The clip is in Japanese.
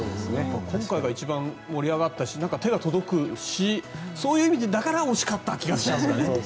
今回が一番、盛り上がったし手が届くしそういう意味でだから惜しかった気がしちゃうんだよね。